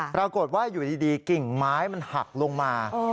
ปรากฏว่าอยู่ดีกิ่งไม้มันหักลงมา